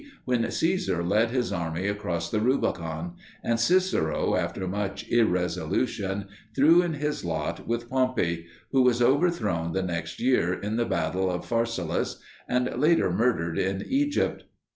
when Caesar led his army across the Rubicon, and Cicero after much irresolution threw in his lot with Pompey, who was overthrown the next year in the battle of Pharsalus and later murdered in Egypt.